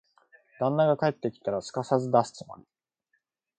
旦那が帰ってきたら、すかさず出すつもり。